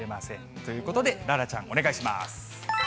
ということで楽々ちゃん、お願いします。